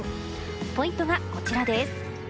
ポイントがこちらです。